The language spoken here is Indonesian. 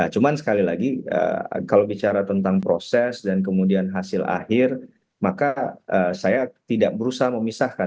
cuman sekali lagi kalau bicara tentang proses dan kemudian hasil akhir maka saya tidak berusaha memisahkan